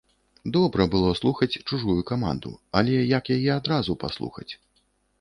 Добра было слухаць чужую каманду, але як яе адразу паслухаць?